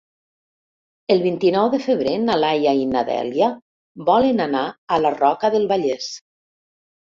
El vint-i-nou de febrer na Laia i na Dèlia volen anar a la Roca del Vallès.